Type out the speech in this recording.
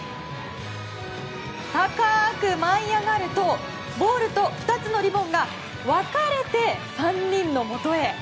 高く舞い上がるとボールと２つのリボンが分かれて３人のもとへ。